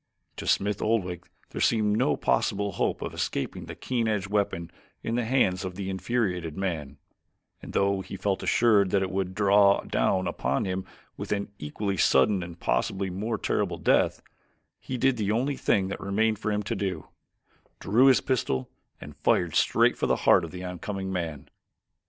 To Smith Oldwick there seemed no possible hope of escaping the keen edged weapon in the hands of the infuriated man, and though he felt assured that it would draw down upon him an equally sudden and possibly more terrible death, he did the only thing that remained for him to do drew his pistol and fired straight for the heart of the oncoming man.